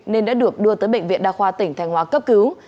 nên đã được đưa tới bệnh viện đa khoa tỉnh thanh hóa cấp cứu